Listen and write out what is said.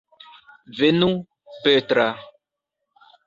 Venu, Petra.